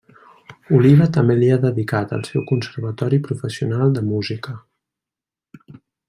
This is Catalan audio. Oliva també li ha dedicat el seu conservatori professional de música.